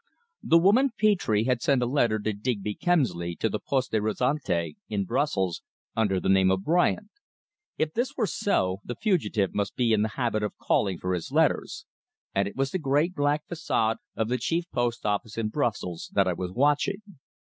The woman Petre had sent a letter to Digby Kemsley to the Poste Restante in Brussels under the name of Bryant. If this were so, the fugitive must be in the habit of calling for his letters, and it was the great black façade of the chief post office in Brussels that I was watching.